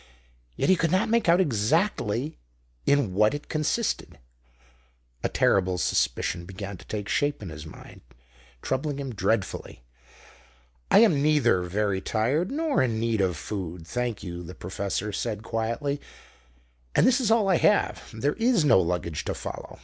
Yet he could not make out exactly in what it consisted. A terrible suspicion began to take shape in his mind, troubling him dreadfully. "I am neither very tired, nor in need of food, thank you," the professor said quietly. "And this is all I have. There is no luggage to follow.